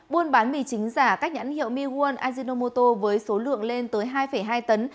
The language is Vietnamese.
buôn bán mì chính giả cách nhãn hiệu miwon ajinomoto với số lượng lên tới hai hai tấn